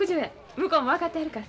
向こうも分かってはるから。